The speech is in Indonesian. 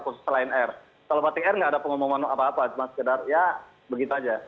kalau batik air tidak ada pengumuman apa apa cuma sekedar ya begitu saja